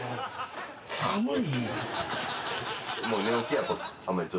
寒い！